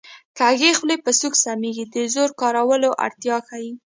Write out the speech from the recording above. کږې خولې په سوک سمېږي د زور کارولو اړتیا ښيي